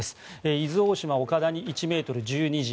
伊豆大島江岡田に１ｍ、１２時。